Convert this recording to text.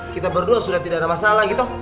kita berdua sudah tidak ada masalah gitu